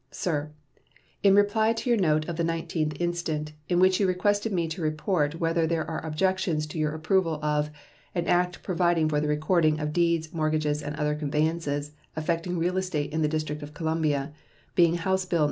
SIR: In reply to your note of the 19th instant, in which you request me to report whether there are objections to your approval of "An act providing for the recording of deeds, mortgages, and other conveyances affecting real estate in the District of Columbia," being House bill No.